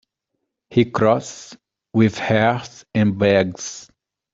He crosses with her and begs.